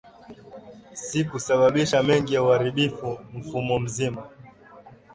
si kusababisha mengi ya uharibifu Mfumo mzima